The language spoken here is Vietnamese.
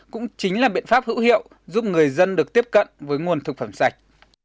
cũng chính là biện pháp hữu hiệu giúp người dân được tiếp cận với nguồn thực phẩm sạch